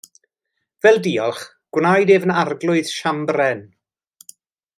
Fel diolch, gwnaed ef yn Arglwydd Siambrlen.